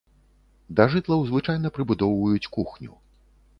Да жытлаў звычайна прыбудоўваюць кухню.